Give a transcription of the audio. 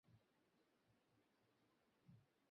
এর মধ্যে হাসির কী হল!